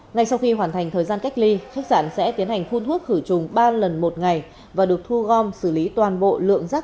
ngay sau khi hoàn thành thời gian cách ly khách sạn sẽ tiến hành phun thuốc khử trùng ba lần một ngày và được thu gom xử lý toàn bộ lượng rác